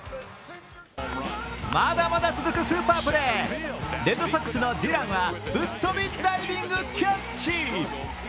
まだまだ続くスーパープレー、レッドソックスのデュランはぶっ飛びダイビングキャッチ。